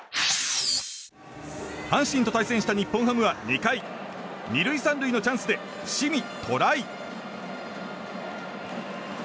阪神と対戦した日本ハムは２回２塁３塁のチャンスで伏見寅威。